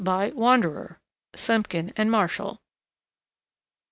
By 'Wanderer.' (Simpkin and Marshall.)